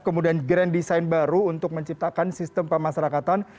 kemudian grand design baru untuk menciptakan sistem pemasarakatan